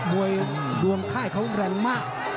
บวยดวงไข่เขาแรงมาก